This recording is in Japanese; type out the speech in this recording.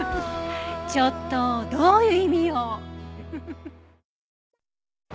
ちょっとどういう意味よ。